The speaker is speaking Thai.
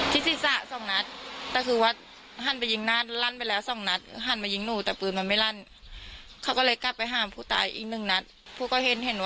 ที่นี้ค่ะมีพลเมิงดีที่เข้าไปช่วยเหลือ